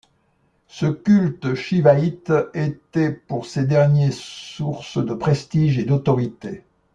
Ce culte shivaïte était pour ces derniers source de prestige et d'autorité.